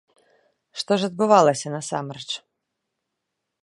Што ж адбывалася насамрэч?